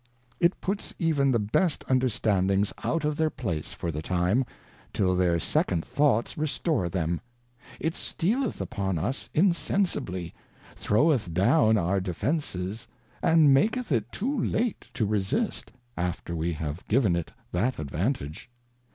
It puts even the best Understandings out of their place for the time, till their second thoughts restore them ; it stealeth upon us insensibl)', throweth down our Defences, and maketh it too late to resist, after we have given it that advantage.